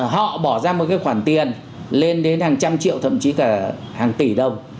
họ bỏ ra một cái khoản tiền lên đến hàng trăm triệu thậm chí cả hàng tỷ đồng